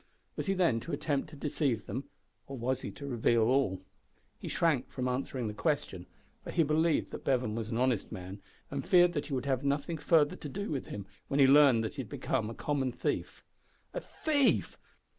Was he then to attempt to deceive them, or was he to reveal all? He shrank from answering the question, for he believed that Bevan was an honest man, and feared that he would have nothing further to do with him when he learned that he had become a common thief. A thief!